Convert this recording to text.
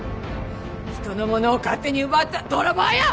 人のものを勝手に奪った泥棒よ！